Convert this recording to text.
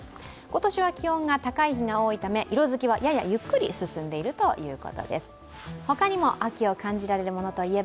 今年は気温が高い日が多いため色づきはややゆっくりと進んでいるということです。